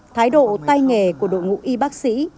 thái độ tay nghề của đội ngũ y bác sĩ